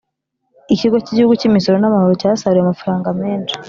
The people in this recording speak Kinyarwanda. Ikigo cy’igihugu cy’imisoro n’amahoro cyasaruye amafaranga menshi